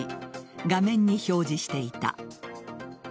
画面に表示していた。